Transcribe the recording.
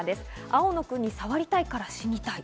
『青野君に触りたいから死にたい』。